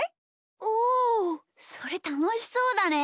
おおそれたのしそうだね！